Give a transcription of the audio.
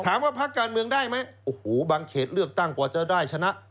พักการเมืองได้ไหมโอ้โหบางเขตเลือกตั้งกว่าจะได้ชนะ